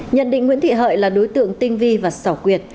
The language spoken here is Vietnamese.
nhận định nguyễn thị hợi là đối tượng tinh vi và xảo quyệt